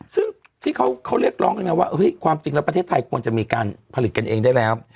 ซึ่งที่เขาเรียกร้องกันไงว่าความจริงแล้วประเทศไทยควรจะมีการผลิตกันเองได้แล้ว